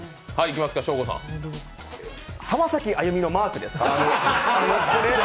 浜崎あゆみのマークです。